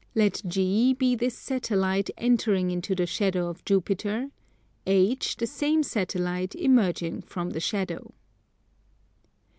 Let G be this Satellite entering into the shadow of Jupiter, H the same Satellite emerging from the shadow.